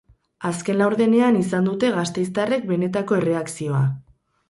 Azken laurdenean izan dute gasteiztarrek benetako erreakzioa.